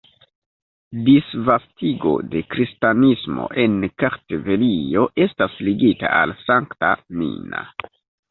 Disvastigo de kristanismo en Kartvelio estas ligita al Sankta Nina.